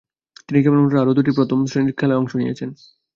তিনি কেবলমাত্র আরও দুইটি প্রথম-শ্রেণীর খেলায় অংশ নিয়েছেন।